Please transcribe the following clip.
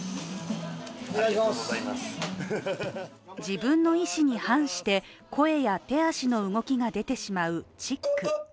自分の意思に反して声や手足の動きが出てしまうチック。